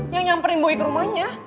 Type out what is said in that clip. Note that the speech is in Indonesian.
yang nyamperin bui ke rumahnya